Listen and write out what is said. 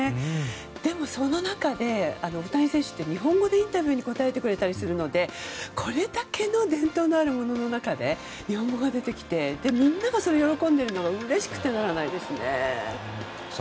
でも、その中でも大谷選手って日本語でインタビューに答えてくれたりするのでこれだけの伝統のあるものの中で日本語が出てきてみんながそれで喜んでいるのがうれしくてならないですね。